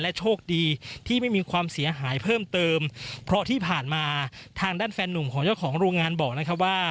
โชคดีที่ไม่มีความเสียหายเพิ่มเติมเพราะที่ผ่านมาทางด้านแฟนหนุ่มของเจ้าของโรงงานบอกนะครับว่า